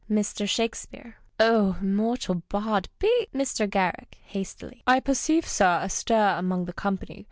Mr. Shakespeare. — Oh, Immortal Bard be Mr. Garrick {liastily). — I perceive, sir, a stir among the company.